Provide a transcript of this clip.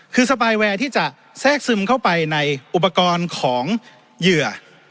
คือสปายแวร์ที่จะแทรกซึมเข้าไปในอุปกรณ์ของเหยื่อ